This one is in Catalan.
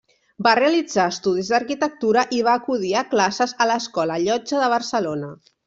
Va realitzar estudis d'arquitectura i va acudir a classes a l'escola Llotja de Barcelona.